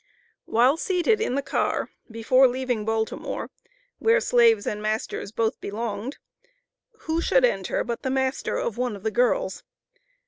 While seated in the car, before leaving Baltimore (where slaves and masters both belonged), who should enter but the master of one of the girls!